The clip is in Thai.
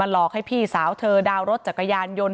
หลอกให้พี่สาวเธอดาวนรถจักรยานยนต์